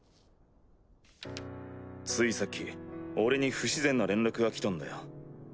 ついさっき俺に不自然な連絡が来たんだよ。